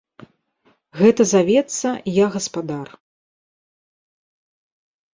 Гэта завецца, я гаспадар.